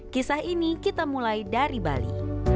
kisah ini kita mulai dari bali